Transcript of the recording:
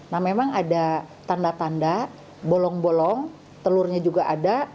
nah memang ada tanda tanda bolong bolong telurnya juga ada